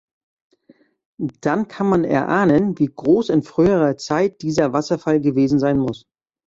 Dann kann man erahnen, wie groß in früherer Zeit dieser Wasserfall gewesen sein muss.